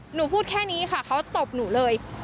หนูพูดแค่นี้ค่ะเขาตบหนูเลย